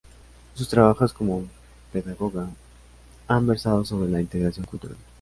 Sus trabajos como pedagoga han versado sobre la integración cultural.